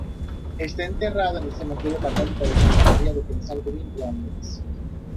Está enterrado en el cementerio católico de Santa María de Kensal Green, Londres.